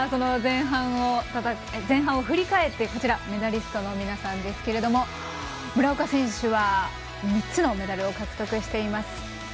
前半を振り返ってメダリストの皆さんですが村岡選手は３つのメダルを獲得しています。